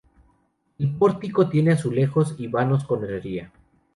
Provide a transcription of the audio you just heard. El pórtico tiene azulejos y vanos con herrería.